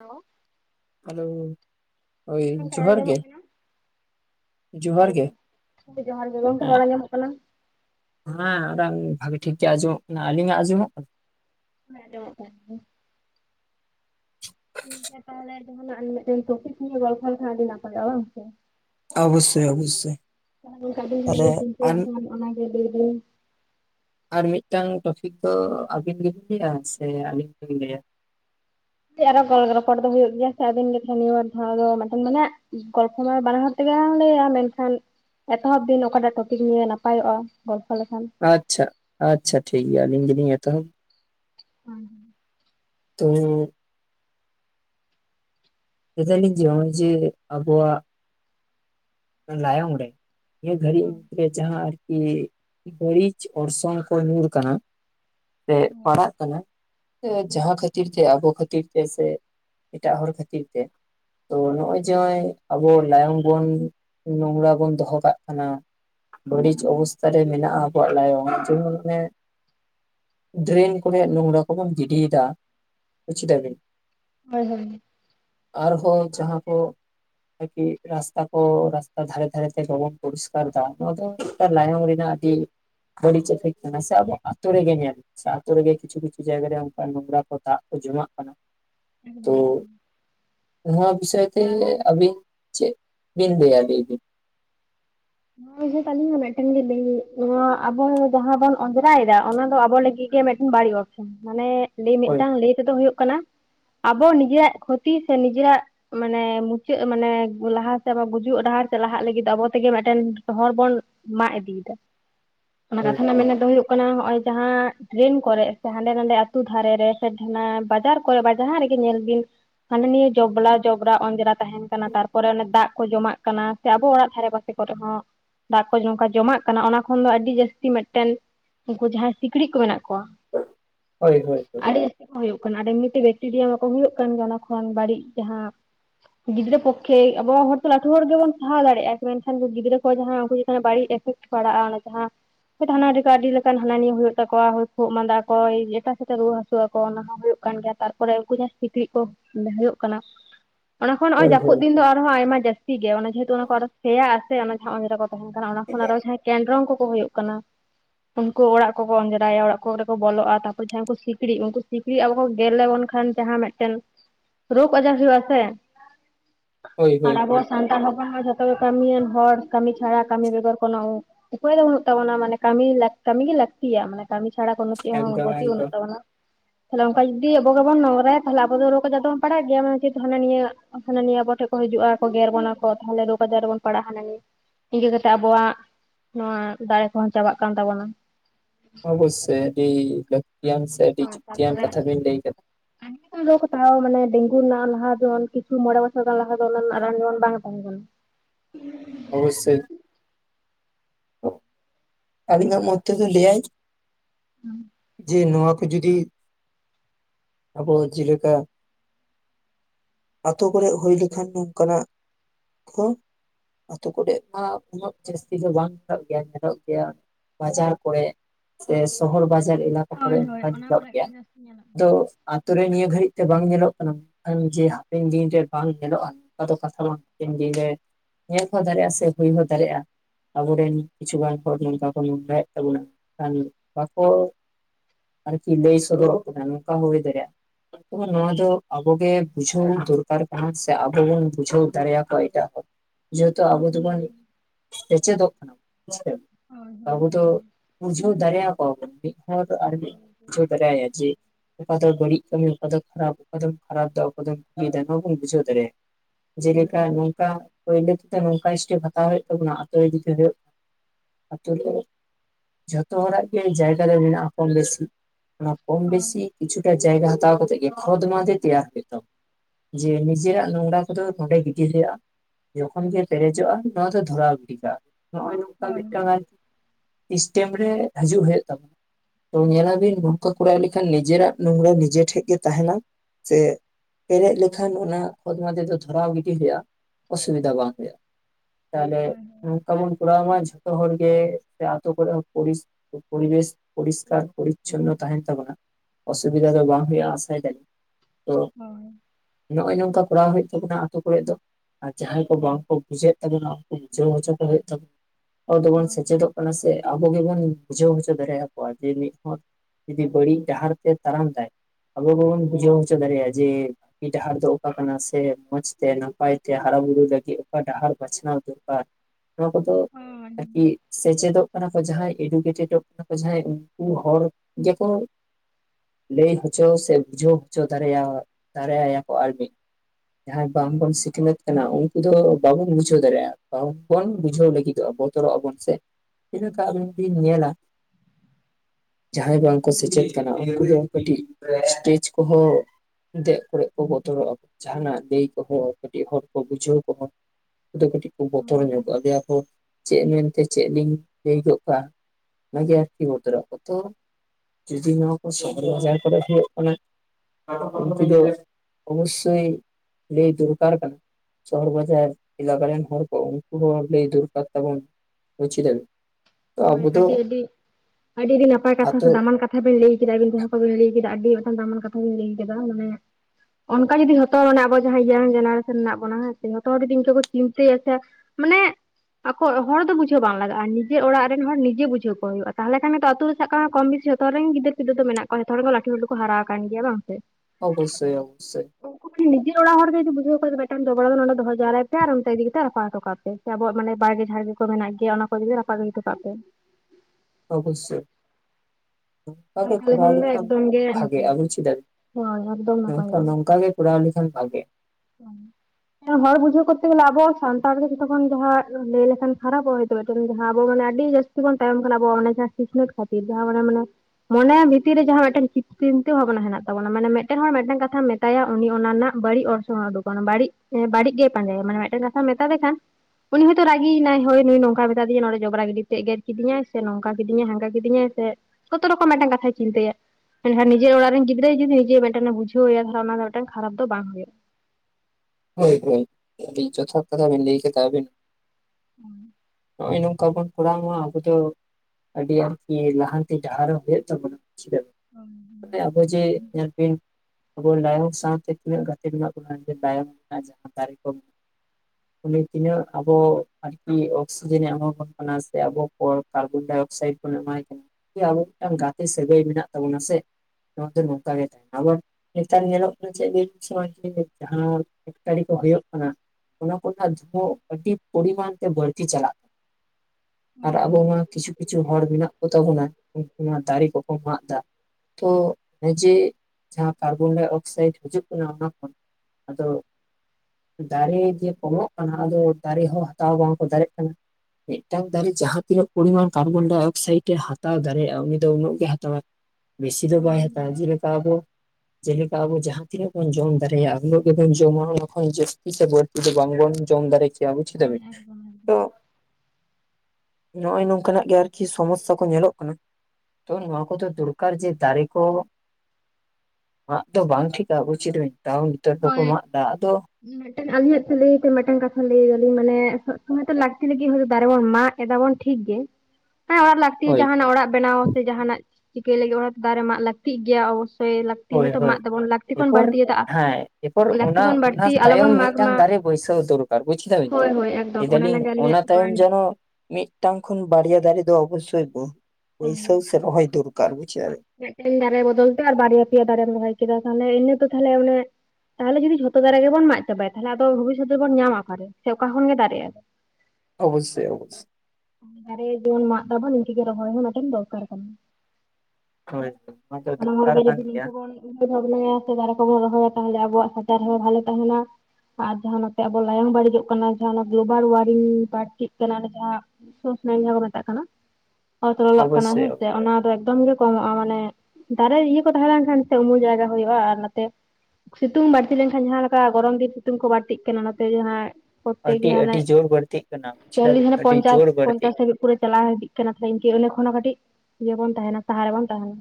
Hello hello [inaudible] ᱳᱭ ᱡᱚᱦᱟᱨ ᱜᱮ᱾ ᱡᱚᱦᱟᱨ ᱜᱮ ᱦᱮᱺ ᱡᱚᱦᱟᱨ ᱨᱚᱲ ᱠᱚ ᱵᱟᱝ ᱟᱢᱚᱢᱚᱜ ᱠᱟᱱᱟ? ᱦᱮᱸ [inaudible] ᱵᱷᱟᱜᱤ ᱴᱷᱤᱠ ᱜᱮ ᱟᱸᱚᱢᱚᱜ ᱠᱟᱱᱟ ᱟᱹᱞᱤᱧᱟᱜ ᱟᱸᱡᱚᱢ ᱢᱚᱜ ᱠᱟᱱᱟ? [unintelligible] [unintelligible] ᱚᱵᱚᱥᱥᱚᱭ ᱚᱵᱚᱥᱥᱭ᱾ [unintelligible] ᱟᱨ ᱢᱤᱫᱴᱟᱝ ᱴᱚᱯᱤᱠ ᱫᱚ ᱟᱹᱵᱤᱱ ᱜᱮᱵᱤᱱ ᱞᱟᱹᱭᱟ ᱥᱮ ᱟᱹᱞᱤᱧ ᱜᱮᱵᱧ ᱞᱟᱹᱭᱟᱻ ᱪᱮᱫ ᱟᱨᱚᱜ ᱨᱚᱯᱚᱲ ᱫᱚ ᱦᱩᱭᱩᱜ ᱜᱮᱭᱟ ᱥᱮ ᱟᱹᱵᱤᱱ ᱜᱮ ᱱᱤᱭᱹ ᱵᱟᱨ ᱫᱷᱟᱣ ᱟᱫᱚ ᱢᱮᱫᱴᱮᱱ ᱢᱟᱱᱮ ᱜᱚᱞᱯᱚ ᱢᱟᱱᱮ ᱵᱟᱱᱟ ᱦᱚᱲ ᱛᱚᱵᱮ ᱞᱟᱝ ᱞᱟᱹᱭᱟ ᱢᱮᱱᱠᱷᱟᱱ ᱮᱛᱚᱦᱚᱵ ᱵᱤᱱ ᱠᱟᱱᱟᱜ ᱴᱚᱯᱤᱠ ᱞᱟᱹᱭᱟ ᱱᱟᱯᱟᱭᱚᱜᱼᱟ ᱜᱚᱞᱯᱚ ᱞᱮᱠᱷᱟᱱ᱾ ᱟᱪᱪᱷᱟ ᱟᱪᱪᱷᱟ ᱴᱷᱤᱠ ᱜᱮᱭᱟ ᱟᱹᱞᱤᱧ ᱜᱮᱞᱤᱧ ᱮᱛᱚᱦᱚᱵ ᱦᱮᱸ᱾ ᱛᱚᱵᱩᱝ ᱞᱟᱹᱭ ᱫᱟᱞᱤᱧ ᱡᱮ ᱱᱚ-ᱚᱭ ᱡᱮ ᱟᱵᱚᱣᱟᱜ ᱞᱟᱭᱚᱝ ᱨᱮ ᱢᱤᱫ ᱜᱷᱟᱲᱤᱡ [inaudible] ᱡᱟᱦᱟ ᱟᱨᱠᱤ ᱵᱟᱹᱲᱤᱡ ᱚᱨᱥᱚᱝ ᱠᱚ ᱧᱩᱨ ᱟᱠᱟᱱᱟ᱾ ᱥᱮ ᱯᱟᱲᱟᱜ ᱠᱟᱱᱟ ᱥᱮ ᱡᱟᱦᱟᱸ ᱠᱷᱟᱹᱛᱤᱨ ᱛᱮ ᱥᱮ ᱟᱵᱚ ᱠᱷᱟᱹᱛᱤᱨ ᱛᱮ ᱥᱮ ᱮᱴᱟᱜ ᱦᱚᱲ ᱠᱷᱟᱹᱛᱤᱨ ᱛᱮ᱾ ᱛᱚ ᱱᱚᱜ-ᱚᱭ ᱡᱮ ᱟᱵᱚ ᱞᱟᱭᱚᱝ ᱵᱚᱱ ᱱᱚᱳᱝᱨᱟ ᱵᱩᱱ ᱫᱚᱦᱚ ᱠᱟᱜ ᱠᱟᱱᱟ᱾ ᱵᱟᱹᱲᱤᱡᱽ ᱚᱵᱚᱥᱛᱛᱟ ᱨᱮ ᱢᱮᱱᱟᱜᱼᱟ ᱟᱵᱚᱣᱟᱜ ᱞᱟᱭᱚᱝ ᱡᱮᱢᱚᱱ ᱚᱱᱮ ᱰᱨᱮᱱ ᱠᱚᱨᱮᱜ ᱱᱚᱝᱨᱟ ᱠᱚᱵᱚᱱ ᱜᱤᱰᱤᱭᱮᱫᱟ ᱵᱩᱪ ᱠᱤᱛᱟᱵᱤᱱ? ᱦᱳᱭ ᱦᱳᱭ᱾ ᱟᱨᱦᱚᱸ ᱡᱟᱦᱟᱸ ᱠᱚ ᱟᱨᱠᱤ ᱨᱟᱥᱛᱟ ᱦᱳ ᱨᱟᱥᱛᱟ ᱫᱷᱟᱨᱮ-ᱫᱷᱟᱨᱮ ᱛᱮ ᱵᱟᱵᱚᱱ ᱯᱚᱨᱤᱥᱠᱟᱨ ᱫᱟ ᱱᱚᱣᱟ ᱫᱚ ᱞᱟᱭᱚᱝ ᱨᱮᱱᱟᱜ ᱟᱹᱰᱤ ᱵᱟᱲᱤ ᱪᱟᱞᱣᱜ ᱠᱟᱱᱟ ᱥᱮ ᱟᱵᱚ ᱟᱛᱳ ᱨᱮᱜᱮ ᱧᱮᱞ ᱟᱪᱪᱷᱟ ᱟᱛᱩ ᱨᱮᱜᱮ ᱠᱤᱪᱷᱩ-ᱠᱤᱪᱷᱩ ᱡᱟᱭᱜᱟᱮ ᱚᱝᱠᱟ ᱱᱚᱝᱨᱟ ᱠᱚ, ᱫᱟᱜ ᱠᱚ ᱡᱚᱢᱟᱜ ᱠᱟᱱᱟ᱾ ᱮᱠᱫᱚᱢ ᱛᱚ ᱮᱠᱫᱚᱢ᱾ ᱱᱚᱣᱟ ᱵᱤᱥᱚᱭ ᱛᱮ ᱟᱹᱵᱤᱱ ᱪᱮᱫ ᱵᱤᱱ ᱞᱟᱹᱭᱟ ᱞᱟᱹᱭ ᱵᱤᱱ᱾ [inaudible] ᱟᱹᱞᱤᱧ ᱦᱚᱸ ᱢᱤᱫᱴᱮᱱ ᱜᱮ ᱞᱟᱹᱭᱮᱫ ᱱᱚᱣᱟ ᱟᱵᱚ ᱡᱟᱦᱟᱸ ᱵᱚᱱ ᱚᱸᱡᱽᱨᱟᱭᱮᱫᱟ ᱚᱱᱟ ᱫᱚ ᱟᱵᱚ ᱞᱟᱹᱜᱤᱫ ᱜᱮ ᱢᱤᱫᱴᱮᱱ ᱵᱟᱹᱲᱤᱡ ᱚᱨᱥᱚᱝ᱾ ᱢᱟᱱᱮ ᱞᱟᱹᱭ ᱦᱳᱭ ᱢᱤᱜᱴᱮᱱ ᱞᱟᱹᱭ ᱛᱮᱫᱚ ᱦᱩᱭᱩᱜ ᱠᱟᱱᱟ ᱟᱵᱚ ᱱᱤᱡᱮᱨᱟᱜ ᱠᱷᱚᱛᱤ ᱥᱮ ᱱᱤᱡᱮᱨᱟᱜ ᱢᱟᱱᱮ ᱢᱩᱪᱟᱹᱫ ᱢᱟᱱᱮ ᱜᱩ ᱞᱦᱟᱛᱮ ᱜᱩᱡᱩᱜ ᱰᱟᱦᱟᱨ ᱥᱮᱫ ᱞᱟᱦᱟᱜ ᱞᱟᱹᱜᱤᱫ ᱫᱚ ᱟᱵᱚ ᱛᱮᱜᱮ ᱴᱮᱱ ᱡᱷᱚᱛᱚ ᱦᱚᱲ ᱵᱚᱱ ᱢᱟᱜ ᱤᱫᱤᱭᱮᱫᱟ᱾ ᱚᱱᱟ ᱦᱳᱭ ᱠᱟᱛᱷᱟ ᱨᱮᱱᱟᱜ ᱦᱳᱭ ᱢᱮᱱᱮᱫ ᱫᱚ ᱦᱩᱭᱩᱜ ᱠᱟᱱᱟ ᱦᱚᱸᱜ-ᱚᱭ ᱡᱟᱦᱟᱸ ᱰᱨᱮᱱ ᱠᱚᱨᱮ ᱥᱮ ᱦᱟᱸᱰᱮ ᱱᱟᱸᱰᱮ ᱟᱛᱩ ᱫᱷᱟᱨᱮ ᱨᱮ ᱥᱮ ᱡᱷᱟᱱᱟᱜ ᱵᱟᱡᱟᱨ ᱠᱚ ᱨᱮ ᱵᱟ ᱡᱟᱦᱟᱸ ᱨᱮᱜᱮ ᱧᱮᱞ ᱵᱤᱱ ᱦᱟᱱᱟ ᱤᱭᱟᱹ ᱡᱚᱵᱽᱞᱟ ᱡᱚᱵᱽᱨᱟ ᱚᱸᱡᱽᱨᱟ ᱛᱟᱦᱮᱱ ᱠᱟᱱᱟ ᱛᱟᱨᱯᱚᱨᱮ ᱚᱱᱮ ᱫᱟᱜ ᱠᱚ ᱡᱚᱢᱟᱜ ᱠᱟᱱᱟ ᱥᱮ ᱟᱵᱚ ᱚᱲᱟᱜ ᱫᱷᱟᱨᱮ ᱯᱟᱥᱮ ᱠᱚᱨᱮ ᱦᱚᱸᱜ ᱫᱟᱜ ᱠᱚ ᱱᱚᱜᱠᱟ ᱡᱚᱢᱟᱜ ᱠᱟᱱᱟ ᱚᱱᱟ ᱠᱷᱚᱱ ᱫᱚ ᱟᱹᱰᱤ ᱡᱟᱹᱥᱛᱤ ᱢᱮᱫᱴᱮᱱ ᱩᱱᱠᱩ ᱡᱟᱦᱟᱸᱭ ᱥᱤᱠᱬᱤᱡ ᱠᱚ ᱢᱮᱱᱟᱜ ᱠᱚᱣᱟ᱾ ᱦᱳᱭ ᱦᱳᱭ ᱦᱳᱭ᱾ ᱟᱹᱰᱤ [inaudible] ᱠᱚ ᱦᱩᱭᱩᱜ ᱠᱟᱱᱟ ᱟᱨ ᱮᱢᱱᱤ ᱛᱮ ᱵᱮᱠᱴᱮᱨᱤᱭᱟ ᱢᱟ ᱠᱚ ᱦᱩᱭᱩᱜ ᱠᱟᱱ ᱜᱮᱭᱟ ᱚᱱᱟ ᱠᱷᱚᱱ ᱵᱟᱹᱲᱤᱡ ᱡᱟᱦᱟᱸ ᱜᱤᱫᱽᱨᱟᱹ ᱯᱚᱠᱠᱷᱮ ᱟᱵᱚ ᱦᱚᱲ ᱛᱚ ᱞᱟᱹᱴᱷᱩ ᱦᱚᱲ ᱫᱚᱵᱚᱱ ᱥᱟᱦᱟᱣ ᱫᱟᱲᱮᱜ-ᱟ ᱮ ᱠᱤ ᱢᱮᱱ ᱠᱷᱟᱱ ᱫᱚ ᱜᱤᱫᱽᱨᱟᱹ ᱠᱚ ᱡᱟᱦᱟᱸ ᱩᱱᱠᱩ ᱪᱮᱛᱟᱱ ᱵᱟᱲᱤᱡ ᱮᱯᱷᱮᱠᱴ ᱯᱟᱲᱟᱜ-ᱟ ᱚᱱᱟ ᱡᱟᱦᱟᱸ ᱦᱳᱭᱛᱚ ᱦᱟᱱᱟ ᱡᱚᱠᱷᱟᱡ ᱟᱹᱰᱤ ᱞᱮᱠᱟᱱ ᱦᱟᱱᱟ ᱱᱤᱭᱟᱹ ᱦᱩᱭᱩᱜ ᱛᱟᱠᱚᱣᱟ᱾ ᱦᱳᱭ ᱠᱷᱩᱜ ᱢᱟᱸᱫᱟ ᱚᱠᱚᱭ ᱮᱴᱟ-ᱥᱮᱴᱟ ᱨᱩᱣᱟᱹ ᱦᱟᱥᱩᱜ, ᱟᱠᱚ ᱚᱱᱟ ᱦᱚᱸ ᱦᱩᱭᱩᱜ ᱠᱟᱱ ᱜᱮᱭᱟ ᱛᱟᱨᱯᱚᱨᱮ ᱩᱱᱠᱩ ᱡᱟᱦᱟᱸᱭ ᱥᱤᱠᱲᱤᱡ ᱠᱚ ᱦᱩᱭᱩᱜ ᱠᱟᱱᱟ᱾ ᱚᱱᱟ ᱠᱷᱚᱱ ᱱᱚᱜ-ᱚᱭ ᱦᱳᱭ ᱡᱟᱹᱯᱩᱜ ᱦᱳᱭ ᱫᱤᱱ ᱫᱚ ᱟᱨ ᱦᱚᱸ ᱟᱭᱢᱟ ᱡᱟᱹᱥᱛᱤ ᱜᱮ᱾ ᱢᱟᱱᱮ ᱡᱮᱦᱮᱛᱩ ᱟᱨᱚ ᱥᱮᱭᱟᱜ-ᱟ ᱥᱮ ᱚᱱᱟ ᱡᱟᱦᱟᱸ ᱚᱸᱡᱽᱨᱟ ᱠᱚ᱾ ᱛᱟᱦᱮᱱ ᱠᱟᱱᱟ, ᱚᱱᱟ ᱠᱷᱚᱱ ᱟᱨᱚ ᱡᱟᱦᱟᱸᱭ ᱠᱮᱱᱰᱨᱚᱝ ᱠᱚᱠᱚ ᱦᱩᱭᱩᱜ ᱠᱟᱱᱟ᱾ ᱩᱱᱠᱩ ᱚᱲᱟᱜ ᱠᱚᱠᱚ ᱚᱸᱡᱽᱨᱟᱭᱟ, ᱚᱲᱟᱜ ᱠᱚ ᱨᱮ ᱠᱚ ᱵᱚᱞᱚᱜ-ᱟ ᱛᱟᱯᱚᱨ ᱡᱟᱦᱟᱸᱭ ᱩᱱᱠᱩ ᱥᱤᱠᱲᱤᱡ, ᱩᱱᱠᱩ ᱥᱤᱠᱲᱤᱡ ᱟᱵᱚ ᱠᱚ ᱜᱮᱨ ᱞᱮᱵᱚᱱ ᱠᱷᱟᱱ ᱡᱟᱦᱟᱸ ᱢᱮᱫᱴᱮᱱ ᱨᱳᱠ ᱟᱡᱟᱨ ᱦᱩᱭᱩᱜ-ᱟ ᱥᱮ᱾ ᱦᱳᱭ ᱟᱨ ᱦᱳᱭ ᱟᱵᱚ ᱦᱳᱭ ᱥᱟᱱᱛᱟᱲ ᱦᱚᱯᱚᱱ ᱦᱚᱸ ᱡᱷᱚᱛᱚ ᱜᱮ ᱠᱟᱢᱤᱭᱟᱱ ᱦᱚᱲ᱾ ᱠᱟᱢᱤ ᱪᱷᱟᱲᱟ ᱠᱟᱢᱤ ᱵᱮᱜᱚᱨ ᱠᱚᱱᱚ ᱩᱯᱟᱹᱭ ᱫᱚ ᱵᱟᱹᱱᱩᱜ ᱛᱟᱵᱚᱱᱟ ᱢᱟᱱᱮ ᱠᱟᱢᱤ ᱞᱮᱠ ᱠᱟᱢᱤ ᱜᱮ ᱞᱟᱠᱛᱤᱭᱟ ᱢᱟᱱᱮ ᱠᱟᱢᱤ ᱪᱷᱟᱲᱟ ᱠᱚᱱᱚ ᱪᱮᱜ ᱦᱚᱸ ᱮᱠᱫᱚᱢ ᱜᱚᱛᱤ ᱵᱟᱹᱱᱩᱜ ᱮᱠᱫᱚᱢ ᱛᱟᱵᱚᱱᱟ᱾ ᱛᱟᱦᱚᱞᱮ ᱚᱱᱠᱟ ᱡᱩᱫᱤ ᱟᱵᱚ ᱜᱮᱵᱚ ᱱᱚᱝᱜᱽᱨᱟᱭᱟ ᱛᱟᱦᱚᱞᱮ ᱟᱵᱚ ᱜᱮ ᱨᱳᱠ ᱟᱡᱟᱨ ᱫᱚᱵᱚᱱ ᱯᱟᱲᱟᱜ ᱜᱮᱭᱟ ᱢᱟᱱᱮ ᱡᱮᱦᱮᱛᱩ ᱦᱟᱱᱟ ᱱᱤᱭᱟᱹᱟᱜ ᱾ ᱱᱤᱭᱟᱹ ᱟᱵᱚ ᱴᱷᱮᱜ ᱠᱚ ᱦᱤᱡᱩᱜ-ᱟ ᱠᱚ ᱜᱮᱨ ᱵᱚᱱᱟ ᱠᱚ ᱛᱟᱦᱚᱞᱮ ᱨᱳᱠᱼᱼ ᱟᱡᱟᱨ ᱨᱮᱵᱚᱱ ᱯᱟᱲᱟᱜ ᱦᱟᱱᱟ ᱱᱤᱭᱟᱹ, ᱤᱱᱠᱟᱹ ᱠᱟᱛᱮᱜ ᱟᱵᱚᱣᱟᱜ ᱱᱚᱣᱟ ᱫᱟᱲᱮ ᱠᱚᱦᱚᱸ ᱪᱟᱵᱟᱜ ᱠᱟᱱ ᱛᱟᱵᱚᱱᱟ᱾ ᱚᱵᱚᱥᱥᱚᱭ ᱟᱹᱰᱤ ᱞᱟᱹᱠᱛᱤᱭᱟᱱ ᱥᱮ ᱟᱹᱰᱤ ᱦᱳᱭ, ᱡᱩᱠᱛᱤᱭᱟᱱ ᱛᱟᱨᱯᱚᱨᱮ ᱠᱟᱛᱷᱟ ᱵᱤᱱ ᱞᱟᱹᱭ ᱠᱟᱫᱟ᱾ ᱛᱟᱣ ᱢᱟᱱᱮ ᱰᱮᱝᱜᱩ ᱨᱮᱱᱟᱜ ᱞᱟᱦᱟ ᱡᱮᱢᱚᱱ ᱠᱤᱪᱷᱩ ᱢᱚᱬᱮ ᱵᱪᱷᱚᱨ ᱜᱟᱱ ᱞᱟᱦᱟ ᱫᱚ ᱚᱱᱟ ᱨᱮᱱᱟᱜ ᱨᱟᱱ ᱡᱮᱢᱚᱱ ᱵᱟᱝᱼᱼ ᱛᱟᱦᱮᱸ ᱠᱟᱱᱟ ᱾ ᱚᱵᱚᱥᱥᱚᱭ, ᱟᱹᱞᱤᱧᱟᱜ ᱢᱚᱛ ᱛᱮᱫᱚ ᱞᱟᱹᱭᱟᱭ ᱡᱮ ᱱᱚᱣᱟ ᱡᱩᱫᱤ, ᱟᱵᱚ ᱡᱮᱞᱮᱠᱟ ᱟᱛᱳ ᱠᱚᱨᱮ ᱦᱳᱭ ᱞᱮᱠᱷᱟᱱ ᱱᱚᱝᱠᱟ ᱱᱟᱜ ᱠᱚ ᱟᱛᱳ ᱠᱚᱨᱮᱜ ᱢᱟ ᱩᱱᱟᱹᱜ ᱡᱟᱹᱥᱛᱤ ᱫᱚ ᱵᱟᱝ ᱧᱮᱞᱚᱜ ᱜᱮᱭᱟ ᱧᱮᱞᱚᱜᱼᱼ ᱜᱮᱭᱟ ᱵᱟᱡᱟᱨ ᱠᱚᱨᱮᱜ ᱥᱮ ᱥᱚᱦᱚᱨ ᱵᱟᱡᱟᱨ ᱮᱞᱟ ᱠᱟ ᱠᱚᱨᱮ ᱚᱱᱠᱟ ᱧᱮᱞᱚᱜ ᱜᱮᱭᱟ ᱛᱚ ᱟᱛᱳ ᱨᱮ ᱱᱤᱭᱟᱹ ᱜᱷᱟᱹᱲᱤᱡ ᱛᱮ ᱵᱟᱝ ᱧᱮᱞᱚᱜ ᱠᱟᱱᱟ᱾ ᱡᱮ ᱦᱟᱯᱮᱱ ᱫᱤᱱᱨᱮ ᱵᱟᱝ ᱧᱮᱞᱚᱜ-ᱟ ᱚᱱᱠᱟ ᱫᱚ ᱠᱟᱛᱷᱟ ᱵᱟᱝ ᱦᱟᱯᱮᱱ ᱫᱤᱱ ᱨᱮᱼᱼ ᱧᱮᱞ ᱦᱚᱸ ᱫᱟᱲᱮᱭᱟᱜ-ᱟ ᱥᱮ ᱦᱳᱭ ᱦᱚᱸ ᱫᱟᱲᱮᱭᱟᱜ-ᱟ, ᱟᱵᱚ ᱨᱮᱱ ᱠᱤᱪᱷᱩ ᱜᱟᱱ ᱦᱚᱲ ᱱᱚᱝᱠᱟ ᱠᱚ ᱱᱚᱝᱨᱟᱭᱮᱫ ᱛᱟᱵᱚᱱᱟ ᱠᱟᱱ ᱵᱟᱠᱚ ᱟᱨ ᱠᱤ ᱞᱟᱹᱭ ᱥᱚᱨᱚᱜ ᱵᱚᱱᱟ ᱱᱚᱝᱠᱟ ᱦᱚᱸ ᱦᱳᱭ ᱫᱮᱲᱮᱭᱟᱜ᱾ ᱱᱚᱣᱟ ᱫᱚ ᱟᱵᱚ ᱜᱮ ᱵᱩᱡᱷᱟᱹᱣ ᱫᱚᱨᱠᱟᱨ ᱠᱟᱱᱟ ᱥᱮ ᱟᱵᱚ ᱵᱚᱱ ᱵᱩᱡᱷᱟᱹᱣ ᱫᱟᱲᱮᱭᱟᱠᱚᱣᱟ ᱮᱴᱟᱜ ᱦᱚᱲ᱾ ᱡᱮᱦᱮᱛᱩ ᱟᱵᱚ ᱫᱚᱵᱚᱱ ᱥᱮᱪᱮᱫᱚᱜ ᱠᱟᱱᱟ ᱦᱮᱸ ᱥᱮ? ᱦᱩᱸ ᱟᱵᱚ ᱫᱚ ᱵᱩᱡᱷᱟᱹᱣ ᱫᱟᱲᱮᱭᱟᱠᱚᱣᱟ ᱵᱚᱱ ᱢᱤᱫ ᱦᱚᱲ ᱟᱨ ᱢᱤᱫ ᱵᱩᱡᱷᱟᱹᱣ ᱫᱟᱲᱮᱭᱟᱭᱟ ᱡᱮ ᱚᱠᱟ ᱫᱚ ᱵᱟᱹᱲᱤᱡ ᱠᱟᱹᱢᱤ ᱚᱠᱟ ᱫᱚ ᱠᱷᱟᱨᱟᱯ ᱚᱠᱟ ᱫᱚᱢ ᱠᱷᱟᱨᱟᱯᱫᱟ ᱚᱠᱟ ᱫᱚᱢ ᱤᱭᱟᱹᱭᱫᱟ ᱱᱚᱣᱟ ᱠᱚᱵᱚᱱ ᱵᱩᱡᱟᱹᱣ ᱫᱟᱲᱮᱭᱟ ᱡᱮᱞᱮᱠᱟ ᱱᱚᱝᱠᱟ ᱯᱳᱭᱞᱳ ᱛᱮᱫᱚ ᱱᱚᱝᱠᱟ ᱮᱥᱴᱮᱯ ᱦᱟᱛᱟᱣ ᱦᱳᱭᱳᱜ ᱛᱟᱵᱚᱱᱟ ᱟᱛᱳ ᱤᱫᱤ ᱛᱮ ᱦᱳᱭᱳᱜ ᱾ ᱟᱛᱳ ᱨᱮ ᱡᱷᱚᱛᱚ ᱦᱚᱲᱟᱜ ᱜᱮ ᱡᱟᱭᱜᱟ ᱨᱮ ᱢᱮᱱᱟᱜ-ᱟ ᱠᱚᱢ ᱵᱮᱥᱤ᱾ ᱚᱱᱟ ᱠᱚᱢ ᱵᱮᱥᱤ ᱠᱤᱪᱷᱩ ᱴᱟ ᱡᱟᱭᱜᱟ ᱦᱟᱛᱟᱣ ᱠᱟᱛᱮ ᱜᱮ ᱠᱷᱚᱫᱽ ᱢᱟᱸᱫᱮ ᱛᱮᱭᱟᱨ ᱦᱳᱭᱳᱜ ᱛᱟᱢᱟ ᱾ ᱡᱮ ᱱᱤᱡᱮᱨᱟᱜ ᱱᱚᱝᱨᱟ ᱠᱚ ᱫᱚ ᱚᱸᱰᱮ ᱜᱤᱰᱤ ᱦᱳᱭᱳᱜ-ᱟ ᱡᱚᱠᱷᱚᱱ ᱜᱮ ᱯᱮᱨᱮᱡᱚᱜ-ᱟ ᱱᱚᱣᱟ ᱫᱚ ᱫᱷᱚᱨᱟᱣ ᱜᱤᱰᱤ ᱠᱟᱜᱼᱟ ᱱᱚᱜ-ᱚᱭ ᱱᱚᱝᱠᱟ ᱾ ᱥᱤᱥᱴᱮᱢ ᱨᱮ ᱦᱤᱡᱩᱜ ᱦᱳᱭᱳᱜ ᱛᱟᱵᱚ, ᱛᱚ ᱧᱮᱞᱟ ᱵᱤᱱ ᱜᱚᱝᱠᱮ᱾ ᱠᱚᱨᱟᱣ ᱞᱮᱠᱷᱟᱱ ᱱᱤᱡᱮᱨᱟᱜ ᱱᱚᱝᱨᱟ ᱱᱤᱡᱮ ᱴᱷᱮᱡ ᱜᱮ ᱛᱟᱦᱮᱱᱟ ᱥᱮ ᱯᱮᱨᱮᱡ ᱞᱮᱠᱷᱟᱱ ᱚᱱᱟ ᱠᱷᱚᱫᱽ ᱢᱟᱸᱫᱮ ᱫᱚ ᱫᱷᱚᱨᱟᱣ ᱜᱤᱰᱤ ᱦᱳᱭᱳᱜ-ᱟ, ᱚᱥᱩᱵᱤᱫᱟ ᱵᱟᱝ ᱦᱳᱭᱳᱜ-ᱟ᱾ ᱛᱟᱦᱚᱞᱮ ᱱᱚᱝᱠᱟ ᱵᱚᱱ ᱠᱚᱨᱟᱣ ᱢᱟ ᱡᱷᱚᱛᱚ ᱦᱚᱲ ᱜᱮ ᱥᱮ ᱟᱛᱳ ᱠᱚᱨᱮ ᱦᱚᱸ ᱯᱚᱨᱤᱥᱼᱼ ᱯᱚᱨᱤᱵᱮᱥ ᱯᱚᱨᱤᱥᱠᱟᱨ ᱯᱚᱨᱤᱪᱷᱚᱱᱱᱚ ᱛᱟᱦᱮᱱ ᱛᱟᱵᱚᱱᱟ᱾ ᱚᱥᱩᱵᱤᱫᱷᱟ ᱫᱚ ᱵᱟᱝ ᱦᱳᱭᱳᱜᱼᱟ ᱟᱥᱟᱭ ᱫᱟᱞᱤᱧ, ᱛᱚ ᱼᱼ ᱱᱚᱜ-ᱚᱭ ᱱᱚᱝᱠᱟ ᱠᱚᱨᱟᱣ ᱦᱳᱭᱳᱜ ᱛᱟᱵᱚᱱᱟ ᱟᱛᱳ ᱠᱚᱨᱮᱜ ᱫᱚ। ᱟᱨ ᱡᱟᱦᱟᱸᱭ ᱠᱚ ᱵᱟᱝ ᱠᱚ ᱵᱩᱡᱷᱟᱹᱣᱮᱫ ᱛᱟᱵᱚᱱᱟ, ᱩᱱᱠᱩ ᱵᱩᱡᱷᱟᱹᱣ ᱦᱚᱪᱚ ᱠᱚ ᱦᱳᱭᱳᱜ ᱛᱟᱵᱚᱱᱟ। ᱟᱵᱚ ᱫᱚᱵᱚᱱ ᱥᱮᱪᱮᱫᱚᱜ ᱠᱟᱱᱟ ᱥᱮ ᱟᱵᱚ ᱜᱮᱵᱚᱱ ᱵᱩᱡᱷᱟᱹᱣ ᱦᱚᱪᱚ ᱫᱟᱲᱮᱭᱟᱠᱚᱣᱟ, ᱡᱮ ᱢᱤᱫ ᱦᱚᱲ ᱼᱼ ᱡᱩᱫᱤ ᱵᱟᱹᱲᱤᱡ ᱰᱟᱦᱟᱨ ᱛᱮ ᱛᱟᱲᱟᱢ ᱫᱟᱭ, ᱟᱵᱚ ᱜᱮᱵᱚᱱ ᱵᱩᱡᱷᱟᱹᱣ ᱦᱚᱪᱚ ᱫᱟᱲᱮᱭᱟᱭᱟ, ᱡᱮ ᱼᱼ ᱵᱷᱟᱜᱤ ᱰᱟᱦᱟᱨ ᱫᱚ ᱚᱠᱟ ᱠᱟᱱᱟ? ᱥᱮ ᱢᱚᱡᱽ ᱛᱮ, ᱱᱟᱯᱟᱭ ᱛᱮ, ᱦᱟᱨᱟ ᱵᱩᱨᱩ ᱞᱟᱹᱜᱤᱫ ᱚᱠᱟ ᱰᱟᱦᱟᱨ ᱵᱟᱪᱷᱱᱟᱣ ᱫᱚᱨᱠᱟᱨ। ᱱᱚᱣᱟ ᱠᱚ ᱫᱚ, ᱟᱨᱠᱤ, ᱥᱮᱪᱮᱫᱚᱜ ᱠᱟᱱᱟ ᱠᱚ ᱡᱟᱦᱟᱸᱭ ᱮᱰᱩᱠᱮᱴᱮᱴᱚᱜ ᱠᱟᱱᱟ ᱠᱚ ᱡᱟᱦᱟᱸᱭ, ᱩᱱᱠᱩ ᱦᱚᱲ ᱜᱮ ᱠᱚ ᱞᱟᱹᱭ ᱦᱚᱪᱚ ᱥᱮ ᱵᱩᱡᱷᱟᱹᱣ ᱦᱚᱪᱚ ᱫᱟᱲᱮᱭᱟ ᱫᱟᱲᱮᱭᱟᱭᱟ ᱠᱚ ᱟᱨ ᱢᱤᱫ, ᱡᱟᱦᱟᱸᱭ ᱵᱟᱝᱵᱚᱱ ᱥᱤᱠᱷᱱᱟᱹᱛ ᱠᱟᱱᱟ ᱩᱱᱠᱩ ᱫᱚ ᱵᱟᱵᱚᱱ ᱵᱩᱡᱷᱟᱹᱣ ᱫᱟᱲᱮᱭᱟᱜᱼᱟ, ᱟᱵᱚᱱ ᱵᱩᱡᱷᱟᱹᱣ ᱞᱟᱹᱜᱤᱫ ᱵᱚᱛᱚᱨᱚᱜ-ᱟ ᱟᱵᱚᱱ ᱥᱮ, ᱤᱱᱟᱹᱜ ᱠᱟᱜ ᱟᱵᱤᱱ ᱵᱤᱱ ᱧᱮᱞᱟ ᱡᱟᱦᱟᱸᱭ ᱵᱟᱝᱠᱚ ᱥᱮᱪᱮᱫ ᱠᱟᱱᱟ, ᱩᱱᱠᱩ ᱫᱚ ᱠᱟᱹᱴᱤᱡ ᱮᱴᱮᱡᱽ ᱠᱚᱦᱚᱸ ᱫᱮᱡ ᱠᱚᱨᱮᱜ ᱠᱚ ᱵᱚᱛᱚᱨᱚᱜᱼᱟ, ᱡᱟᱦᱟᱸᱱᱟᱜ ᱞᱟᱹᱭ ᱠᱚᱦᱚᱸ ᱠᱟᱹᱴᱤᱡ ᱦᱚᱲ ᱠᱚ ᱵᱩᱡᱷᱟᱹᱣ ᱠᱚᱦᱚᱸ ᱟᱫᱚ ᱠᱟᱹᱴᱤᱡ ᱠᱚ ᱵᱚᱛᱚᱨ ᱧᱚᱜᱚᱼᱟ, ᱞᱮᱭᱟᱠᱚ ᱪᱮᱫ ᱢᱮᱱᱛᱮ ᱪᱮᱫ ᱞᱤᱧ ᱞᱟᱹᱭ ᱜᱚᱫ ᱠᱟᱜ, ᱚᱱᱟᱜᱮ ᱟᱨᱠᱤ ᱵᱚᱛᱚᱨᱚᱜᱼᱚ ᱠᱚ ᱛᱚ ᱡᱫᱤ ᱱᱚᱣᱟ ᱠᱚ ᱥᱚᱵ [unintelligible] [inaudible] ᱚᱵᱚᱥᱥᱳᱭ ᱞᱟᱹᱭ ᱫᱚᱨᱠᱟᱨ ᱠᱟᱱᱟ। ᱥᱚᱦᱚᱨ ᱵᱟᱡᱟᱨ ᱮᱞᱟᱠᱟ ᱨᱮᱱ ᱦᱚᱲ ᱠᱚ ᱩᱱᱠᱩ ᱦᱚᱸ ᱞᱟᱹᱭ ᱫᱚᱨᱠᱟᱨ। ᱮᱵᱚᱝ [unintelligible] ᱦᱳᱭ, ᱟᱹᱰᱤ ᱟᱹᱰᱤ ᱟᱹᱰᱤ ᱟᱹᱰᱤ ᱜᱮ ᱱᱟᱯᱟᱭ ᱠᱟᱛᱷᱟ ᱥᱮ ᱟᱛᱳ ᱫᱟᱢᱟᱱ ᱠᱟ ᱠᱟᱛᱷᱟ ᱵᱤᱱ ᱞᱟᱹᱭ ᱠᱮᱫᱟ ᱟᱵᱤᱱ ᱡᱟᱦᱟᱸ ᱠᱚᱵᱤᱱ ᱞᱟᱹᱭ ᱠᱮᱫᱟ ᱟᱹᱰᱤ ᱢᱤᱫᱴᱟᱝ ᱫᱟᱢᱟᱱ ᱠᱟᱛᱷᱟ ᱵᱤᱱ ᱞᱟᱹᱭ ᱠᱮᱫᱟ ᱢᱟᱱᱮ ᱚᱱᱠᱟ ᱡᱩᱫᱤ ᱡᱷᱚᱛᱚ ᱢᱟᱱᱮ ᱟᱵᱚ ᱡᱟᱦᱟᱸᱭ ᱡᱮᱱᱟᱨᱮᱥᱚᱱ ᱢᱮᱱᱟᱜ ᱵᱚᱱᱟ ᱦᱮᱸᱥᱮ ᱡᱷᱚᱛᱚ ᱦᱚᱲ ᱡᱩᱫᱤ ᱤᱱᱠᱟᱹ ᱠᱚ ᱪᱤᱱᱛᱟᱹᱭᱟ ᱥᱮ ᱢᱟᱱᱮ ᱟᱠᱚ ᱦᱚᱲ ᱫᱚ ᱵᱩᱡᱷᱟᱹᱣ ᱵᱟᱝ ᱞᱟᱜᱟᱜᱼᱟ ᱱᱤ ᱡᱮ ᱚᱲᱟᱜ ᱨᱮᱱ ᱦᱚᱲ ᱱᱤᱡᱮ ᱵᱩᱡᱷᱟᱹᱣ ᱠᱚ ᱦᱩᱭᱩᱜᱼᱟ, ᱛᱟᱦᱟᱞᱮ ᱠᱷᱟᱱ ᱱᱤᱛᱚᱜ ᱟᱛᱩ ᱨᱮ ᱥᱟᱵ ᱠᱟᱜ ᱢᱮ ᱠᱚᱢ ᱵᱤᱥᱤ ᱡᱷᱚᱛ ᱨᱮᱱ ᱜᱤᱫᱟᱹᱨ ᱯᱤᱫᱟᱹᱨ ᱫᱚ ᱢᱮᱱᱟᱜ ᱠᱚ ᱡᱷᱚᱛᱚ ᱜᱮ ᱞᱟᱴᱷᱩ ᱞᱟᱴᱷᱩ ᱠᱚ ᱦᱟᱨᱟ ᱠᱟᱱ ᱜᱮᱭᱟ ᱵᱟᱝ ᱥᱮ? ᱚᱵᱚᱥᱥᱳᱭ ᱚᱵᱚᱥᱥᱳᱭ। ᱩᱱᱠᱩ ᱠᱤ ᱱᱤᱡᱮᱨ ᱚᱲᱟᱜ ᱦᱚᱲ ᱜᱮ ᱡᱩᱫᱤ ᱵᱩᱡᱷᱟᱹᱣ ᱠᱚᱣᱟ, ᱡᱮᱢᱤᱫᱴᱷᱮᱱ ᱡᱚᱵᱨᱟ ᱫᱚ ᱱᱚᱰᱮ ᱫᱚᱦᱚ ᱡᱟᱣᱟᱭ ᱯᱮ ᱟᱨ ᱚᱱᱛᱮ ᱤᱫᱤ ᱠᱟᱛᱮ ᱨᱟᱯᱟᱜ ᱦᱚᱴᱚ ᱠᱟᱜ ᱯᱮ। ᱥᱮ ᱟᱵᱚᱣᱟᱜ ᱢᱟᱱᱮ ᱵᱟᱲᱜᱮ ᱡᱷᱟᱲ ᱜᱮ ᱠᱚ ᱢᱮᱱᱟᱜ ᱜᱮᱭᱟ ᱚᱱᱟ ᱠᱚ ᱤᱫᱤ ᱠᱟᱛᱮ ᱨᱟᱯᱟᱜ ᱜᱤᱰᱤ ᱦᱚᱴᱚ ᱠᱟᱜ ᱯᱮ। ᱚᱵᱚᱥᱥᱳᱭ। ᱱᱚᱝᱠᱟ ᱜᱮ ᱚᱱᱠᱟ ᱠᱚᱨᱟᱣ ᱫᱚ ᱞᱮᱠᱷᱟᱱ ᱮᱠᱫᱚᱢ ᱜᱮ ᱵᱷᱟᱜᱮᱼᱟ ᱱᱟᱯᱟᱭᱚᱜᱼᱟ ᱰᱩᱢᱽ ᱠᱮᱫᱟ ᱵᱮᱱ? ᱦᱳᱭ ᱮᱠᱫᱚᱢ ᱱᱚᱝᱠᱟ ᱱᱟᱯᱟᱭᱚᱜᱼᱟ ᱱᱚᱝᱠᱟ ᱜᱮ ᱠᱚᱨᱟᱣ ᱞᱮᱠᱷᱟᱱ ᱵᱷᱟᱜᱮ। [inaudible] ᱦᱚᱲ ᱵᱩᱡᱷᱟᱹᱣ ᱠᱚᱛᱮ ᱜᱮᱞᱮ, ᱟᱵᱚ ᱥᱟᱱᱛᱟᱲ ᱜᱮ ᱡᱷᱚᱛᱚ ᱠᱷᱚᱱ ᱡᱟᱦᱟᱸ ᱞᱟᱹᱭ ᱞᱮᱠᱷᱟᱱ ᱠᱷᱟᱨᱟᱯᱚᱜᱼᱟ ᱦᱳᱭ ᱛᱚ ᱠᱟᱹᱴᱤᱡ। ᱟᱵᱚ ᱢᱟᱱᱮ ᱟᱹᱰᱤ ᱡᱟᱥ ᱛᱤ ᱰᱚᱱ ᱛᱟᱭᱚᱢ ᱠᱟᱱᱟ ᱟᱵᱚ ᱚᱱᱮ ᱡᱟᱦᱟᱸ ᱥᱤᱠᱷᱱᱟᱹᱛ ᱠᱷᱟᱹᱛᱤᱨ ᱡᱟᱦᱟᱸ ᱢᱟᱱᱮ ᱢᱚᱱᱮ ᱵᱷᱤᱛᱤᱨ ᱨᱮ ᱡᱟᱦᱟᱸ ᱢᱤᱫᱴᱮᱱ ᱪᱤᱱᱛᱟᱹ ᱵᱷᱟᱵᱱᱟ ᱦᱮᱸᱱᱟᱜ ᱛᱟᱵᱚᱱᱟ, ᱢᱟᱱᱮ ᱢᱤᱫᱴᱮᱱ ᱦᱚᱲ ᱢᱤᱫᱴᱟᱝ ᱠᱟᱛᱷᱟ ᱢᱮ ᱢᱮᱛᱟᱭᱟ ᱩᱱᱤ ᱚᱱᱟ ᱨᱮᱱᱟᱜ ᱵᱟᱹᱲᱤᱡ ᱚᱨᱥᱚᱝ ᱮ ᱩᱰᱩᱠᱟ, ᱚᱱᱮ ᱵᱟᱹᱲᱤᱡ ᱵᱟᱹᱲᱤᱡ ᱜᱮᱭ ᱯᱟᱸᱡᱟᱭᱟ, ᱢᱟᱱᱮ ᱢᱤᱫᱴᱮᱱ ᱠᱟᱛᱷᱟᱢ ᱢᱮᱛᱟ ᱫᱮ ᱠᱷᱟᱱ ᱩᱱᱤ ᱦᱚᱭᱛᱳ ᱨᱟᱹᱜᱤᱭᱮᱱᱟᱭ ᱦᱳᱭ ᱱᱩᱭ ᱱᱚᱝᱠᱟᱟᱭ ᱢᱮᱛᱟ ᱫᱤᱧᱟᱭ ᱱᱚᱰᱮ ᱡᱚᱵᱽᱨᱟ ᱜᱤᱰᱤ ᱛᱮ ᱮᱜᱮᱨ ᱠᱤᱫᱤᱧᱟᱭ ᱥᱮ ᱱᱚᱝᱠᱟ ᱠᱤᱫᱤᱧᱟᱭ ᱦᱟᱝᱜᱟ ᱠᱤᱫᱤᱧᱟᱭ, ᱥᱮ ᱠᱚᱛᱚ ᱨᱚᱠᱚᱢ ᱢᱤᱫᱴᱟᱝ ᱠᱟᱛᱷᱟᱭ ᱪᱤᱱᱛᱟᱹᱭᱟ। ᱢᱮᱱᱠᱷᱟᱱ ᱱᱤᱡᱮᱨ ᱚᱲᱟᱜ ᱨᱮᱱ ᱜᱤᱫᱽᱨᱟᱹᱭ ᱡᱩᱫᱤ ᱤᱡᱮ ᱢᱤᱫᱴᱮᱱᱮ ᱵᱩᱡᱷᱟᱹᱣ ᱮᱭᱟ ᱛᱟᱦᱟᱞᱮ ᱚᱱᱟ ᱢᱤᱫᱴᱟᱝ ᱠᱷᱟᱨᱟᱯ ᱫᱚ ᱵᱟᱝ ᱦᱩᱭᱩᱜᱼᱟ। ᱦᱳᱭ ᱦᱳᱭ, ᱟᱹᱰᱤ ᱡᱚᱛᱷᱟᱛ ᱠᱟᱛᱷᱟ ᱵᱤᱱ ᱞᱟᱹᱭ ᱠᱮᱫᱟ ᱟᱹᱵᱤᱱ। [inaudible] ᱱᱚᱜᱼᱚᱭ ᱱᱚᱝᱠᱟ ᱵᱚᱱ ᱠᱟᱨᱟᱣ ᱢᱟ ᱟᱵᱚ ᱫᱚ ᱟᱹᱰᱤ ᱟᱨᱠᱤ ᱞᱟᱦᱟᱱᱛᱤ ᱰᱟᱦᱟᱨ ᱦᱚᱸ ᱦᱩᱭᱩᱜ ᱛᱟᱵᱚᱱᱟ ᱵᱩᱪ ᱠᱮᱫᱟᱵᱤᱱ? ᱢᱟᱱᱮ ᱟᱵᱚ ᱡᱮ ᱧᱮᱞ ᱵᱤᱱ ᱟᱵᱚ ᱞᱟᱭᱚᱝ ᱥᱟᱶᱛᱮ ᱛᱤᱱᱟᱹᱜ ᱜᱟᱛᱮ ᱢᱮᱱᱟᱜ ᱵᱚᱱᱟ ᱡᱮ ᱞᱟᱭᱚᱝ ᱟᱨ ᱡᱟᱦᱟᱸ ᱫᱟᱨᱮ ᱠᱚ [inaudible] ᱩᱱᱤ ᱛᱤᱱᱟᱹᱜ ᱟᱵᱚ ᱟᱨᱠᱤ ᱚᱠᱥᱤᱡᱮᱱ ᱮ ᱮᱢᱟᱵᱚᱱ ᱠᱟᱱᱟ ᱥᱮ ᱟᱵᱚ ᱠᱚ ᱠᱟᱨᱵᱚᱱᱰᱟᱭ ᱚᱠᱥᱟᱭᱤᱰ ᱵᱚᱱ ᱮᱢᱟᱭ ᱠᱟᱱᱟ ᱡᱮ ᱟᱵᱚ ᱢᱤᱫᱴᱟᱝ ᱜᱟᱛᱮ ᱥᱟᱹᱜᱟᱹᱭ ᱢᱮᱱᱟᱜ ᱛᱟᱵᱚᱱᱟ ᱥᱮ, ᱱᱚᱣᱟ ᱫᱚ ᱱᱚᱝᱠᱟ ᱜᱮ ᱛᱟᱦᱮᱸᱱᱟ, ᱟᱵᱟᱨ ᱛᱟᱦᱮᱱᱟ ᱱᱮᱛᱟᱨ ᱧᱮᱞᱚᱜ ᱠᱟᱱᱟ ᱪᱮᱫ ᱞᱟᱭ ᱵᱤᱱ ᱥᱮ ᱡᱟᱦᱟᱸ ᱮᱠᱛᱟᱹᱲᱤ ᱠᱚ ᱦᱩᱭᱩᱜ ᱠᱟᱱᱟ ᱾ ᱚᱱᱟ ᱠᱚᱨᱮ ᱱᱟᱜ [unintelligible] ᱟᱹᱰᱤ ᱯᱚᱨᱤᱢᱟᱱ ᱛᱮ ᱵᱟᱹᱲᱛᱤ ᱪᱟᱞᱟᱜ ᱟᱨ ᱟᱵᱚ ᱢᱟ ᱠᱤᱪᱷᱩ ᱠᱤᱪᱷᱩ ᱦᱚᱲ ᱢᱮᱱᱟᱜ ᱠᱚᱛᱟ ᱵᱚᱱᱟ ᱩᱱᱠᱩ ᱢᱟ ᱫᱟᱨᱮ ᱠᱚᱼᱠᱚ ᱢᱟᱜ ᱫᱟ ᱾ ᱛᱚ ᱚᱱᱤᱡᱮ ᱡᱟᱦᱟᱸ ᱠᱟᱨᱵᱚᱱᱰᱟᱭ ᱚᱠᱥᱟᱭᱤᱰ ᱦᱤᱡᱩᱜ ᱠᱟᱱᱟ ᱚᱱᱟ ᱠᱷᱚᱱ ᱟᱫᱚ ᱫᱟᱨᱮ ᱡᱮ ᱠᱚᱢᱚᱜ ᱠᱟᱱᱟ ᱟᱫᱚ ᱫᱟᱨᱮ ᱦᱚᱸ ᱦᱟᱛᱟᱣ ᱵᱟᱝᱠᱚ ᱫᱟᱨᱮᱭᱟ ᱠᱟᱱᱟ᱾ ᱢᱤᱫᱴᱟᱝ ᱫᱟᱨᱮ ᱡᱟᱦᱟᱸ ᱛᱤᱱᱟᱹᱜ ᱯᱚᱨᱤᱢᱟᱱ ᱠᱟᱨᱵᱚᱱᱰᱟᱭ ᱚᱠᱥᱟᱭᱤᱰ ᱮ ᱦᱟᱛᱟᱣ ᱫᱟᱲᱮᱭᱟᱜᱼᱟ ᱩᱱᱤ ᱫᱚ ᱩᱱᱟᱹᱜ ᱜᱮᱭ ᱦᱟᱛᱟᱣᱼᱟ ᱾ ᱵᱮᱥᱤ ᱫᱚ ᱵᱟᱭ ᱦᱟᱛᱟᱣ-ᱟ [unintelligible] ᱟᱵᱚ ᱡᱮᱞᱮᱠᱟ ᱟᱵᱚ ᱡᱟᱦᱟᱸ ᱛᱤᱱᱟᱹᱜ ᱵᱚᱱ ᱡᱚᱢ ᱫᱟᱲᱮᱭᱟᱜ-ᱟ ᱩᱱᱟᱜ ᱜᱮᱵᱚᱱ ᱡᱚ- ᱡᱚᱢᱟᱣ ᱞᱮᱠᱷᱟᱱ ᱡᱟᱹᱥᱛᱤ ᱥᱮ ᱵᱟᱲᱛᱤ ᱫᱚ ᱵᱚᱝ ᱵᱚᱱ ᱡᱚᱢ ᱫᱟᱨᱮ ᱠᱮᱭᱟ ᱵᱩᱡᱽ ᱠᱮᱫᱟ ᱵᱤᱱ᱾ ᱛᱳ ᱱᱚᱜ-ᱚᱭ ᱱᱚᱝᱠᱟ ᱱᱟᱜ ᱜᱮ ᱟᱨᱠᱤ ᱥᱚᱢᱚᱥᱟ ᱠᱚ ᱧᱮᱞᱚᱜ ᱠᱟᱱᱟ᱾ ᱛᱚ ᱱᱚᱣᱟ ᱠᱚᱫᱚ ᱫᱚᱨᱠᱟᱨ ᱡᱮ ᱫᱟᱨᱮ ᱠᱚ ᱢᱟᱜ ᱫᱚ ᱵᱟᱝ ᱴᱷᱤᱠᱟ ᱩᱪᱤᱛ ᱢᱤᱫ ᱴᱟᱝ ᱩᱛᱟᱹᱨ ᱫᱚ᱾ ᱢᱤᱫᱴᱟᱝ ᱟᱞᱤᱧᱟᱜ ᱛᱮ ᱞᱟᱹᱭ ᱛᱮ ᱢᱤᱫᱴᱟᱝ ᱠᱟᱛᱷᱟ ᱞᱟᱹᱭ ᱟᱞᱤᱧ ᱢᱟᱱᱮ ᱥᱚᱵ-ᱥᱚᱢᱚᱭ ᱛᱚ ᱞᱟᱹᱠᱛᱤ ᱞᱟᱹᱜᱤᱫ ᱫᱟᱨᱮ ᱵᱚᱱ ᱢᱟᱜ- ᱮᱫᱟ ᱵᱚᱱ ᱴᱷᱤᱠ ᱜᱮ ᱦᱮᱸ ᱚᱲᱟᱜ ᱦᱳᱭ ᱡᱟᱦᱟᱸ ᱱᱟᱜ ᱚᱲᱟᱜ ᱵᱮᱱᱟᱣ ᱥᱮ ᱡᱟᱦᱟᱸ ᱱᱟᱜ ᱪᱤᱠᱟᱹᱭ ᱞᱟᱹᱜᱤᱫ ᱚᱲᱟᱜ ᱫᱟᱨᱮ ᱢᱟᱜ ᱞᱟᱹᱠᱛᱤᱜ ᱜᱮᱭᱟ ᱚᱵᱚᱥ- ᱦᱳᱭ ᱦᱳᱭ ᱮᱯᱚᱨ ᱪᱮᱫᱟᱜ ᱦᱮᱸ᱾ ᱮᱯᱚᱨ ᱞᱟᱹᱠᱛᱤ ᱚᱱᱟ ᱠᱷᱚᱱ ᱚᱱᱟ ᱵᱟᱹᱲᱛᱤ ᱛᱟᱭᱚᱢ ᱟᱞᱚᱵᱚᱱ ᱢᱟᱜᱽ ᱢᱤᱫᱴᱟᱝ ᱢᱟ ᱫᱟᱨᱮ ᱵᱟᱹᱭᱥᱟᱹᱣ ᱫᱚᱨᱠᱟᱨ ᱵᱩᱡᱽ ᱠᱮᱫᱟ ᱵᱤᱱ ᱛᱚ ᱦᱳᱭ ᱦᱳᱭ ᱞᱮ ᱮᱠᱫᱚᱢ ᱚᱱᱟ ᱫᱟᱞᱤᱧ ᱚᱱᱟᱜᱮ ᱟᱹᱞᱤᱧᱟᱜ ᱚᱱᱟ- ᱛᱟᱭᱚᱢ ᱯᱚᱭᱮᱱᱴ ᱡᱮᱱᱚ ᱢᱤᱫᱴᱟᱝ ᱠᱷᱚᱱ ᱵᱟᱨᱭᱟ ᱫᱟᱨᱮ ᱫᱚ ᱚᱵᱚᱥᱳᱭ ᱵᱟᱹᱭᱥᱟᱹᱣ ᱥᱮ ᱨᱚᱦᱚᱭ ᱫᱚᱨᱠᱟᱨ ᱵᱩᱡᱽ ᱠᱮᱫᱟ ᱵᱤᱱ᱾ ᱢᱮᱫᱴᱮᱱ ᱫᱟᱨᱮ ᱵᱚᱫᱚᱞ ᱛᱮ ᱟᱨ ᱵᱟᱨᱭᱟ, ᱯᱮᱭᱟ ᱫᱟᱨᱮᱢ ᱨᱚᱦᱚᱭ ᱠᱮᱫᱟ᱾ ᱛᱟᱦᱚᱞᱮ ᱤᱱᱟᱹ ᱛᱚ ᱛᱟᱦᱚᱞᱮ ᱚᱱᱮ- ᱛᱟᱦᱚᱞᱮ ᱡᱚᱫᱤ ᱡᱷᱚᱛᱚ ᱫᱟᱨᱮ ᱜᱮᱵᱚᱱ ᱢᱟᱜ ᱪᱟᱵᱟᱭᱟ᱾ ᱛᱟᱦᱚᱞᱮ ᱟᱫᱚ ᱵᱷᱚᱵᱤᱥᱚᱛ ᱨᱮ ᱵᱚᱱ ᱧᱟᱢ-ᱟ ᱚᱠᱟᱨᱮ? ᱥᱮ ᱚᱠᱟ ᱠᱷᱚᱱ ᱜᱮ ᱫᱮᱜᱭᱟᱜ-ᱟ? [inaudible] ᱚᱵᱚᱥᱳᱭ ᱚᱵᱚᱥᱳᱭ᱾ ᱫᱟᱨᱮ ᱡᱮᱢᱚᱱ ᱢᱟᱜ ᱫᱟᱵᱚᱱ ᱱᱤᱝᱠᱟ ᱜᱮ ᱨᱚᱦᱚᱭ ᱦᱚᱸ ᱢᱤᱫᱴᱮᱱ ᱫᱚᱨᱠᱟᱨ ᱠᱟᱱᱟ᱾ ᱦᱳᱭ ᱱᱚᱣᱟ ᱫᱚ ᱥᱟᱱᱟᱢ ᱦᱚᱲ ᱠᱟᱨᱠᱟᱨ ᱜᱮ ᱠᱟᱱ ᱡᱩᱫᱤ ᱜᱮᱭᱟ᱾ ᱱᱤᱝᱠᱟᱹ ᱵᱚᱱ ᱩᱭᱦᱟᱹᱨ ᱵᱷᱟᱵᱱᱟ ᱥᱮ ᱫᱟᱨᱮ ᱠᱚ ᱵᱚᱱ ᱨᱚᱦᱚᱭ-ᱟ᱾ ᱛᱟᱦᱚᱞᱮ ᱟᱵᱚᱱᱟᱜ ᱥᱟᱪᱟᱨ ᱦᱚᱸ ᱵᱷᱟᱞᱮ ᱛᱟᱦᱮᱱ ᱢᱟ᱾ ᱟᱨ ᱡᱟᱦᱟᱸ ᱱᱚᱛᱮ ᱟᱵᱚ ᱞᱟᱭᱚᱝ ᱵᱟᱹᱲᱤᱡ ᱚᱜ ᱠᱟᱱᱟ ᱡᱟᱦᱟᱸ ᱚᱱᱟ ᱜᱞᱳᱵᱟᱞ ᱳᱟᱨᱤᱝ ᱵᱟᱹᱲᱛᱤᱜ ᱠᱟᱱᱟ ᱚᱱᱮ ᱡᱟᱦᱟᱸ ᱥᱳᱥᱱᱮᱱᱡᱟ ᱠᱚ ᱢᱮᱛᱟᱜ ᱠᱟᱱᱟ᱾ ᱚᱛ ᱞᱚᱞᱚᱜ ᱠᱟᱱᱟ ᱚᱵᱚᱥᱥᱳᱭ ᱦᱮᱸᱥᱮ ᱚᱱᱟ ᱫᱚ ᱮᱠᱫᱚᱢ ᱜᱮ ᱠᱚᱢᱚᱜ-ᱟ ᱢᱟᱱᱮ ᱫᱟᱨᱮ ᱤᱭᱟᱹ ᱠᱚ ᱛᱟᱦᱮᱸ ᱞᱮᱱᱠᱷᱟᱱ ᱥᱮ ᱩᱢᱩᱞ ᱡᱟᱭᱜᱟ ᱦᱩᱭᱩᱜ-ᱟ, ᱟᱨ ᱱᱚᱛᱮ ᱥᱤᱛᱩᱝ ᱵᱟᱹᱲᱛᱤ ᱞᱮᱱᱠᱷᱟᱱ ᱡᱟᱦᱟᱸ ᱞᱮᱠᱟ ᱜᱚᱨᱚᱢ ᱫᱤᱱ ᱥᱤᱛᱩᱝ ᱠᱚ ᱵᱟᱹᱲᱛᱤᱜ ᱠᱟᱱᱟ ᱱᱚᱛᱮ ᱡᱟᱦᱟᱸ ᱯᱚᱛᱮᱠ ᱟᱹᱰᱤ ᱜᱮ ᱦᱟᱱᱮ ᱟᱹᱰᱤ ᱡᱳᱨ ᱵᱟᱹᱲᱛᱤᱜ ᱠᱟᱱᱟ ᱵᱩᱡ ᱪᱚᱞᱤᱥ ᱫᱟᱵᱤᱱ ᱦᱟᱱᱮ ᱟᱹᱰᱤ ᱯᱚᱱᱪᱟᱥ ᱡᱳᱨ ᱵᱟᱹᱲᱛᱤᱜ ᱯᱚᱱᱪᱟᱥ ᱠᱟᱱᱟ᱾ ᱫᱷᱟᱹᱵᱤᱡ ᱯᱩᱨᱟᱹ ᱪᱟᱞᱟᱣ ᱤᱫᱤ ᱠᱟᱱᱟ ᱛᱚᱦᱚᱞᱮ ᱤᱱᱠᱟᱹ ᱚᱱᱮ ᱠᱷᱚᱱ ᱦᱚᱸ ᱠᱟᱹᱴᱤᱡ ᱤᱭᱟᱹ ᱵᱚᱱ ᱛᱟᱦᱮᱱᱟ ᱥᱟᱦᱟ ᱨᱮᱵᱚᱱ ᱛᱟᱦᱮᱱᱟ᱾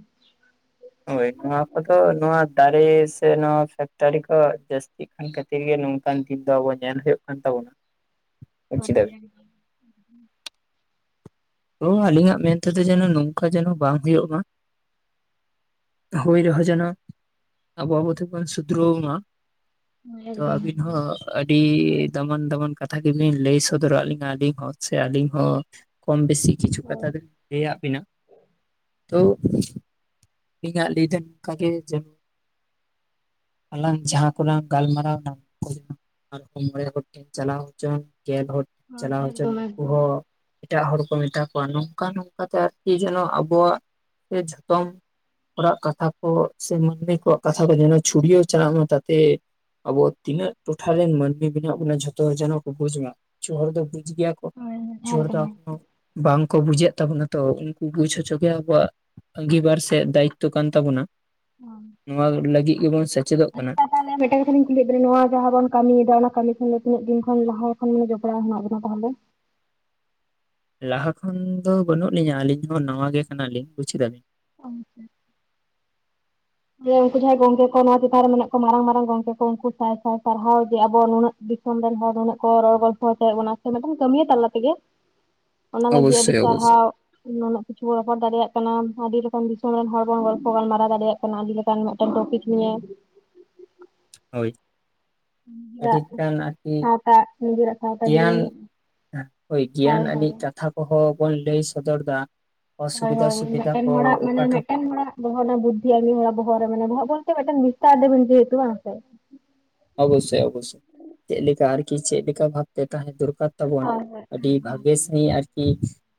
ᱦᱳᱭ ᱱᱚᱣᱟ ᱠᱚᱫᱚ ᱱᱚᱣᱟ ᱫᱟᱨᱮ ᱥᱮ ᱱᱚᱣᱟ ᱯᱷᱮᱠᱴᱟᱨᱤ ᱠᱚ ᱡᱟᱹᱥᱛᱤᱜ ᱠᱟᱱ ᱠᱷᱟᱹᱛᱤᱨ ᱜᱮ ᱱᱚᱝᱠᱟᱱ ᱫᱤᱱ ᱫᱚ ᱟᱵᱚ ᱧᱮᱞ ᱦᱩᱭᱩᱜ ᱠᱟᱱ ᱛᱟᱵᱚᱱᱟ᱾ ᱵᱩᱡ ᱫᱟᱵᱤᱱ [unintelligible] ᱛᱚ ᱟᱞᱤᱧᱟᱜ ᱢᱮᱱᱛᱮ ᱫᱚ ᱡᱮᱱᱚ ᱱᱚᱝᱠᱟ ᱡᱮᱱᱚ ᱵᱟᱝ ᱦᱳᱭᱳᱜ ᱢᱟ᱾ ᱦᱩᱭ ᱨᱮᱦᱚᱸ ᱡᱮᱱᱚ ᱟᱵᱚ ᱟᱵᱚ ᱛᱮᱵᱚᱱ ᱥᱩᱫᱷᱨᱟᱹᱣ ᱢᱟ᱾ ᱛᱚ ᱟᱹᱵᱤᱱ ᱦᱚᱸ ᱟᱹᱰᱤ ᱫᱟᱢᱟᱱ ᱫᱟᱢᱟᱱ ᱠᱟᱛᱷᱟ ᱜᱮᱵᱤᱱ ᱞᱟᱹᱭ ᱥᱚᱫᱚᱨᱟᱜ ᱞᱤᱧᱟᱹ᱾ ᱟᱹᱞᱤᱧ ᱦᱚᱸ ᱥᱮ ᱟᱹᱞᱤᱧ ᱦᱚᱸ ᱠᱚᱢ ᱵᱮᱥᱤ ᱠᱤᱪᱷᱩ ᱠᱟᱛᱷᱟ ᱫᱚᱞᱤᱧ ᱞᱟᱹᱭᱟᱜ ᱵᱤᱱᱟ ᱛᱳ ᱤᱧ ᱟᱜ ᱞᱟᱹᱭ ᱫᱚ ᱱᱚᱝᱠᱟ ᱜᱮ ᱡᱮᱱᱚ᱾ ᱟᱞᱟᱝ ᱡᱟᱦᱟᱸ ᱠᱚᱞᱟᱝ ᱜᱟᱞᱢᱟᱨᱟᱣᱱᱟ [inaudible] ᱟᱨ ᱠᱚ ᱢᱚᱬᱮ ᱦᱚᱲ ᱴᱷᱮᱱ ᱪᱟᱞᱟᱣ ᱦᱚᱪᱚᱱ, ᱜᱮᱞ ᱦᱚᱲ ᱴᱷᱮᱱ ᱪᱟᱞᱟᱣ ᱦᱚᱪᱚᱱ ᱩᱱᱠᱩ ᱦᱚᱸ ᱮᱴᱟᱜ ᱦᱚᱲ ᱠᱚ ᱢᱮᱛᱟ ᱠᱚᱣᱟ ᱱᱚᱝᱠᱟ ᱱᱚᱝᱠᱟ ᱛᱮ ᱟᱨᱠᱤ ᱡᱮᱱᱚ ᱟᱵᱚᱣᱟᱜ ᱡᱷᱚᱛᱚᱢ ᱦᱚᱲᱟᱜ ᱠᱟᱛᱷᱟ ᱠᱚ ᱥᱮ ᱢᱟᱹᱱᱢᱤ ᱠᱚᱣᱟᱜ ᱠᱟᱛᱷᱟ ᱠᱚ ᱡᱮᱱᱚ ᱪᱷᱩᱲᱤᱭᱟᱹᱣ ᱪᱟᱞᱟᱜ ᱢᱟ ᱛᱟᱛᱮ ᱟᱵᱚ ᱛᱤᱱᱟᱹᱜ ᱴᱚᱴᱷᱟᱨ ᱨᱮᱱ ᱢᱟᱹᱱᱢᱤ ᱢᱮᱱᱟᱜ ᱵᱚᱱᱟ ᱡᱷᱚᱛᱚ ᱦᱚᱲ ᱡᱮᱱᱚ ᱠᱚ ᱵᱩᱡᱽ ᱢᱟ᱾ ᱠᱤᱪᱷᱩ ᱦᱚᱲ ᱫᱚ ᱵᱩᱡᱽ ᱜᱮᱭᱟ ᱠᱚ ᱠᱤᱪᱷᱩ ᱦᱚᱲ ᱫᱚ ᱮᱠᱫᱚᱢ ᱵᱟᱝ ᱠᱚ ᱵᱩᱡᱮᱫ ᱛᱟᱵᱚᱱᱟ ᱛᱚ᱾ ᱩᱱᱠᱩ ᱵᱩᱡᱽ ᱦᱚᱪᱚ ᱜᱮ ᱟᱵᱚᱣᱟᱜ ᱟᱹᱜᱤᱵᱟᱨ ᱥᱮ ᱛᱮᱫ ᱫᱟᱭᱤᱛᱚ ᱠᱟᱱ ᱛᱟᱵᱚᱱᱟ᱾ [unintelligible] ᱱᱚᱣᱟ ᱞᱟᱹᱜᱤᱫ ᱜᱮᱵᱚᱱ ᱥᱮᱪ- ᱟᱪᱪᱷᱟ᱾ ᱛᱟᱦᱚᱞᱮ ᱢᱤᱫᱴᱟᱝ ᱠᱟᱛᱷᱟᱞᱤᱧ ᱠᱩᱞᱤᱭᱮᱫ ᱵᱮᱱᱟ ᱱᱚᱣᱟ ᱡᱟᱦᱟᱸ ᱵᱚᱱ ᱠᱟᱹᱢᱤᱭ ᱮᱫᱟ ᱚᱱᱟ ᱠᱟᱹᱢᱤ ᱠᱷᱚᱱ ᱫᱚ ᱛᱤᱱᱟᱹᱜ ᱫᱤᱱ ᱠᱷᱚᱱ ᱞᱟᱦᱟ ᱠᱷᱚᱱ ᱢᱟᱱᱮ ᱡᱚᱯᱲᱟᱣ ᱦᱮᱱᱟᱜ ᱵᱮᱱᱟ ᱛᱟᱦᱚᱞᱮ? ᱞᱟᱦᱟ ᱠᱷᱚᱱ ᱫᱚ ᱵᱟᱹᱱᱩᱜ ᱞᱤᱧᱟᱹ ᱟᱹᱞᱤᱧ ᱦᱚ ᱱᱟᱣᱟ ᱜᱮ ᱠᱟᱱᱟᱞᱤᱧ ᱵᱩᱪ ᱠᱮᱫᱟ ᱵᱤᱱ᱾ ᱩᱱᱠᱩ ᱡᱟᱦᱟᱸᱭ ᱜᱚᱝᱠᱮ ᱠᱚ ᱱᱚᱣᱟ ᱪᱮᱛᱟᱱ ᱨᱮ ᱢᱮᱱᱟᱜ ᱠᱚᱣᱟ ᱢᱟᱨᱟᱝ ᱢᱟᱨᱟᱝ ᱜᱚᱝᱠᱮ ᱠᱚ ᱩᱱᱠᱩ ᱥᱟᱭ ᱥᱟᱭ ᱥᱟᱨᱦᱟᱣ ᱡᱮ ᱟᱵᱚ ᱱᱩᱱᱟᱹᱜ ᱫᱤᱥᱚᱢ ᱨᱮᱱ ᱦᱚᱲ ᱱᱩᱱᱟᱹᱜ ᱠᱚ ᱨᱚᱲ ᱜᱚᱞᱯᱷᱚ ᱦᱚᱪᱚᱭ ᱮᱫ ᱵᱚᱱᱟ ᱥᱮ ᱢᱤᱫᱴᱟᱱ ᱠᱟᱹᱢᱤᱭᱟᱹ ᱛᱟᱞᱟ ᱛᱮᱜᱮ᱾ ᱚᱱᱟ ᱞᱟᱹᱜᱤᱫ ᱟᱹᱰᱤ ᱚᱵᱚᱥᱥᱳᱭ ᱚᱵᱚᱥᱥᱳᱭ ᱥᱟᱨᱦᱟᱣ᱾ ᱱᱩᱱᱟᱹᱜ ᱠᱤᱪᱷᱩ ᱵᱚ ᱨᱚᱯᱚᱲ ᱫᱟᱲᱮᱭᱟᱜ ᱠᱟᱱᱟ, ᱟᱹᱰᱤ ᱨᱚᱠᱚᱢ ᱫᱤᱥᱚᱢ ᱨᱮᱱ ᱦᱚᱲ ᱵᱚᱱ ᱜᱚᱞᱯᱷᱚ ᱜᱟᱞᱢᱟᱨᱟᱣ ᱫᱟᱲᱮᱭᱟᱜ ᱠᱟᱱᱟ᱾ ᱟᱰᱤ ᱞᱮᱠᱟᱱ ᱢᱤᱫᱴᱮᱱ ᱴᱚᱯᱤᱠ ᱱᱤᱭᱮ᱾ ᱦᱳᱭ᱾ ᱟᱹᱰᱤ ᱱᱤᱡᱮᱨᱟᱜ ᱜᱟᱱ ᱟᱨᱠᱤ ᱥᱟᱶᱛᱟ ᱱᱤᱡᱮᱨᱟᱜ ᱥᱟᱶᱛᱟ ᱜᱮᱭᱟᱱ ᱡᱤᱭᱚᱱ᱾ ᱦᱳᱭ, ᱜᱮᱭᱟᱱ ᱟᱹᱱᱤᱡ ᱠᱟᱛᱷᱟ ᱠᱚᱦᱚ ᱵᱚᱱ ᱞᱟᱹᱭ ᱥᱚᱫᱚᱨ ᱫᱟ᱾ ᱦᱳᱭ ᱦᱳᱭ, ᱢᱤᱫᱴᱮᱱ ᱦᱚᱲᱟᱜ, ᱢᱟᱱᱮ ᱴᱚᱴᱷᱟ ᱢᱤᱫᱴᱮᱱ ᱦᱚᱲᱟᱜ᱾ ᱵᱚᱦᱚᱜ ᱱᱟ ᱵᱩᱫᱽᱫᱷᱤ ᱟᱨ ᱢᱤᱫ ᱦᱚᱲᱟᱜ ᱵᱚᱦᱚᱜ ᱨᱮ ᱢᱮᱱᱟ ᱵᱚᱞᱛᱮ ᱢᱤᱫᱴᱮᱱ [unintelligible] ᱵᱟᱝ ᱥᱮ ᱚᱵᱚᱥᱳᱭ ᱚᱵᱚᱥᱳᱭ, ᱪᱮᱫ ᱞᱮᱠᱟ ᱟᱨᱠᱤ ᱪᱮᱫ ᱞᱮᱠᱟ ᱵᱷᱵᱛᱮ ᱛᱟᱦᱮ ᱫᱚᱨᱠᱟᱨ᱾ ᱛᱟᱵᱚᱱ ᱦᱳᱭ ᱦᱳᱭ ᱟᱹᱰᱤ ᱵᱷᱟᱜᱮ ᱥᱟᱦᱤᱡ ᱟᱨᱠᱤ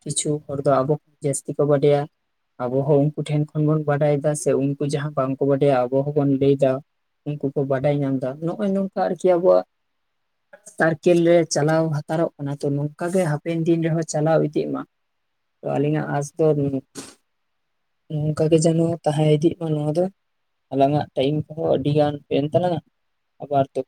ᱠᱤᱪᱷᱩ ᱦᱚᱲ ᱫᱚ ᱟᱰᱤ ᱡᱟᱹᱥᱛᱤ ᱠᱚ ᱵᱟᱰᱟᱭᱟ᱾ ᱟᱵᱚ ᱦᱚ ᱩᱱᱠᱩ ᱴᱷᱮᱱ ᱠᱷᱚᱱ ᱵᱚᱱ ᱵᱟᱰᱟᱭ ᱫᱟ ᱥᱮ ᱩᱱᱠᱩ ᱡᱟᱦᱟ ᱵᱟᱝᱠᱚ ᱵᱟᱰᱟᱭᱟ ᱟᱵᱚ ᱦᱚ ᱵᱚᱱ ᱞᱟᱹᱭ ᱫᱟ᱾ ᱩᱱᱠᱩ ᱠᱚ ᱵᱟᱰᱟᱭ ᱧᱟᱢ ᱫᱟ ᱟᱫᱚ ᱱᱚᱜ-ᱚᱭ ᱱᱚᱝᱠᱟ ᱟᱨᱠᱤ ᱟᱵᱚᱣᱟᱜ᱾ ᱥᱟᱨᱠᱮᱞ ᱨᱮ ᱪᱟᱞᱟᱣ ᱦᱟᱛᱟᱨᱚᱜ ᱠᱟᱱᱟ, ᱛᱚ ᱱᱚᱝᱠᱟ ᱜᱮ ᱦᱟᱯᱮᱱ ᱫᱤᱱ ᱨᱮᱦᱚ ᱪᱟᱞᱟᱣ ᱤᱫᱤᱜ ᱢᱟ᱾ ᱟᱹᱞᱤᱧᱟᱜ ᱟᱥ ᱫᱚ ᱱᱚᱝᱠᱟ ᱜᱮ ᱡᱮᱱᱚ ᱛᱟᱦᱮ ᱤᱫᱤ ᱢᱟ ᱱᱚᱣᱟ ᱫᱚ᱾ ᱟᱞᱟᱝ ᱟᱜ ᱴᱟᱭᱤᱢ ᱠᱚ ᱦᱚᱸ ᱟᱹᱰᱤ ᱜᱟᱱ ᱦᱳᱭ ᱮᱱ ᱛᱟᱞᱟᱝ-ᱟ᱾ ᱟᱵᱟᱨ ᱫᱚ